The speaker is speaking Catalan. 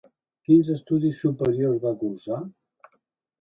Quins estudis superiors va cursar?